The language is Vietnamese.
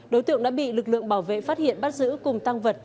đối tượng đã bị lực lượng bảo vệ phát hiện bắt giữ cùng tăng vật